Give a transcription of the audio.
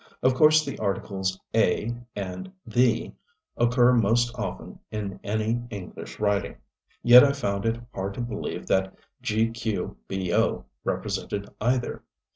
Of course the articles "a" and "the" occur most often in any English writing, yet I found it hard to believe that "dqbo" represented either.